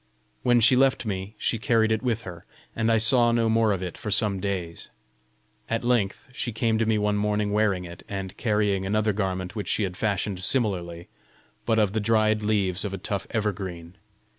When she left me, she carried it with her, and I saw no more of it for some days. At length she came to me one morning wearing it, and carrying another garment which she had fashioned similarly, but of the dried leaves of a tough evergreen.